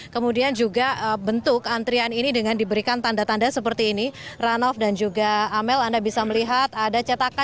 kemudian juga bentuk antrian ini dengan diberikan tanda tanda seperti ini ranov dan juga amel anda bisa melihat ada cetakan